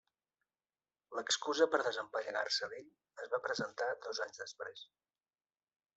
L'excusa per desempallegar-se d'ell es va presentar dos anys després.